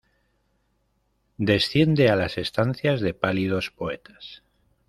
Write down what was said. Desciende a las estancias de pálidos poetas.